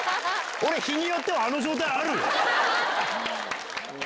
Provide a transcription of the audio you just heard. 俺、日によってはあの状態、あるよ。